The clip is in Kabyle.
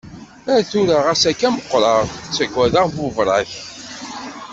Ar tura xas akka meqqreɣ, ttaggadeɣ buberrak.